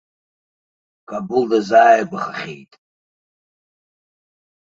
Кабул дазааигәахахьеит!